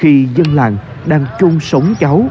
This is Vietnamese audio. khi dân làng đang chung sống cháu